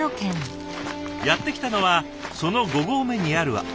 やって来たのはその５合目にある空き地。